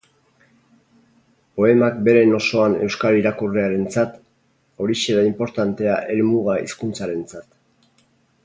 Poemak beren osoan euskal irakurlearentzat, horixe da inportantea helmuga hizkuntzarentzat.